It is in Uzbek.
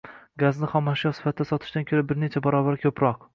gazni xom ashyo sifatida sotishdan ko‘ra bir necha barobar ko‘proq